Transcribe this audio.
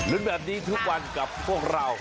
แบบนี้ทุกวันกับพวกเรา